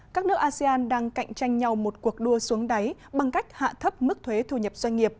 các nước asean đang cạnh tranh nhau một cuộc đua xuống đáy bằng cách hạ thấp mức thuế thu nhập doanh nghiệp